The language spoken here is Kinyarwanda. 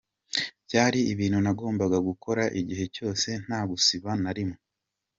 Byari ibintu nagombaga gukora igihe cyose, nta gusiba na rimwe.